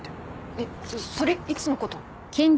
えっそれいつのこと？